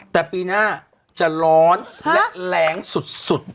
แต่ปีหน้าจะร้อนและแรงสุด